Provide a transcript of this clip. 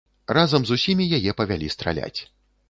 Разам з усімі яе павялі страляць.